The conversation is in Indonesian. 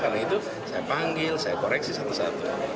karena itu saya panggil saya koreksi satu satu